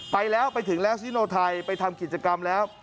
ไปแล้วไปถึงแลสทิโนไทยไปทำกิจกรรมแล้ว